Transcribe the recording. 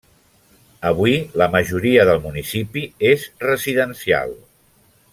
Avui, la majoria del municipi és residencial.